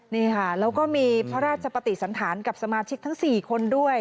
นี่ค่ะแล้วก็มีพระราชปฏิสันธารกับสมาชิกทั้ง๔คนด้วย